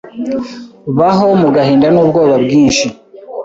Baho mu gahinda n'ubwoba bwinshi